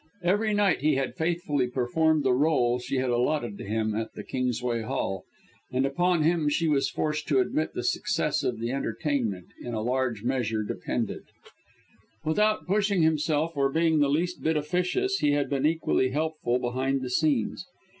Every night he had faithfully performed the rôle, she had allotted to him, at the Kingsway Hall, and upon him she was forced to admit the success of the entertainment, in a large measure, depended. Without pushing himself, or being the least bit officious, he had been equally helpful behind the scenes.